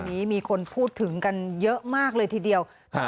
นี้มีคนพูดถึงกันเยอะมากเลยทีเดียว